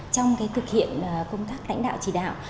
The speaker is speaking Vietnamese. trong thực hiện công tác đảnh đạo chỉ đạo